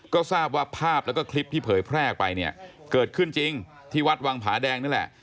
ก็ทราบว่าภาพแล้วก็คลิปที่เผยแพร่ออกไปเนี่ยเกิดขึ้นจริงที่วัดวังผาแดงนี่แหละ